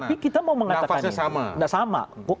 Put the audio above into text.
tapi kita mau mengatakan ini